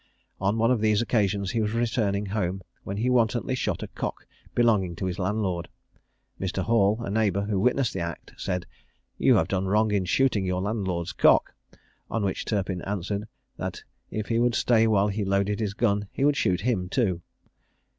On one of these occasions he was returning home, when he wantonly shot a cock belonging to his landlord. Mr. Hall, a neighbour who witnessed the act, said, "You have done wrong in shooting your landlord's cock," on which Turpin answered, that if he would stay while he loaded his gun he would shoot him too.